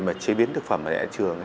mà chế biến thực phẩm ở nhà trường